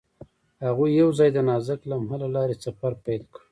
هغوی یوځای د نازک لمحه له لارې سفر پیل کړ.